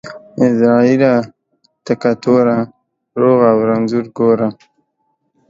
عزرائيله تکه توره ، روغ او رنځور گوره.